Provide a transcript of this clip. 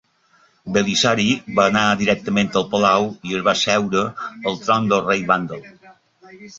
Belisari va anar directament al palau i es va asseure al tron del rei vàndal.